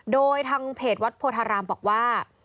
โดยทางเพจวัดโพธารามบอกว่า